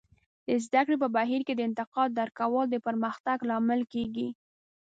د زده کړې په بهیر کې د انتقاد درک کول د پرمختګ لامل کیږي.